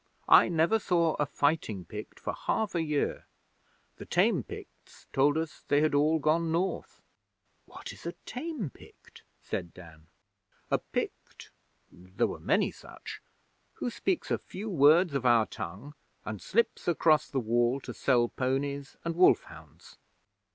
I never saw a fighting Pict for half a year. The tame Picts told us they had all gone North.' 'What is a tame Pict?' said Dan. 'A Pict there were many such who speaks a few words of our tongue, and slips across the Wall to sell ponies and wolf hounds.